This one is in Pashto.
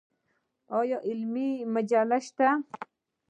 آیا علمي مجلې شته؟